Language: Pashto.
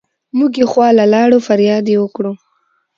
مونږ يې خواله لاړو فرياد يې وکړو